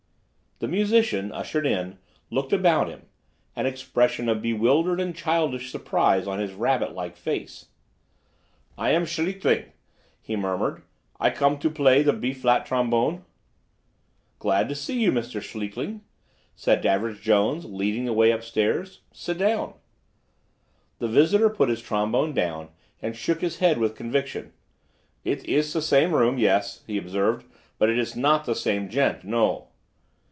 The musician, ushered in, looked about him, an expression of bewildered and childish surprise on his rabbit like face. "I am Schlichting," he murmured; "I come to play the B flat trombone." "Glad to see you, Mr. Schlichting," said Average Jones, leading the way up stairs. "Sit down." The visitor put his trombone down and shook his head with conviction. "It iss the same room, yes," he observed. "But it iss not the same gent, no."